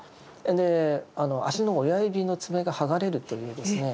足の親指の爪がはがれるというですね